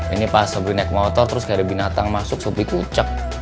ini pas sebuah naik motor terus gak ada binatang masuk sepi kucek